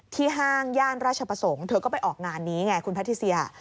ห้างย่านราชประสงค์เธอก็ไปออกงานนี้ไงคุณแพทิเซีย